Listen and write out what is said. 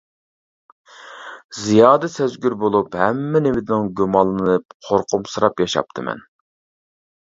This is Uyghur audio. زىيادە سەزگۈر بولۇپ ھەممە نېمىدىن گۇمانلىنىپ قورقۇمسىراپ ياشاپتىمەن.